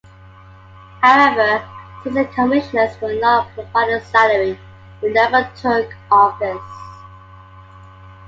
However, since the commissioners were not provided a salary, they never took office.